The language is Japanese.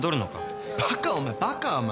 バカお前バカお前